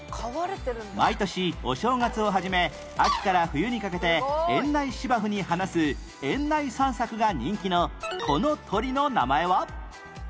毎年お正月を始め秋から冬にかけて園内芝生に放す園内散策が人気のこの鳥の名前は？